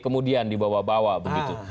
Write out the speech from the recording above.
kemudian dibawa bawa begitu